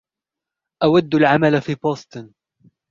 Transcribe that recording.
أود العمل في بوستن.